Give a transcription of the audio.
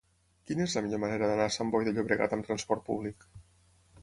Quina és la millor manera d'anar a Sant Boi de Llobregat amb trasport públic?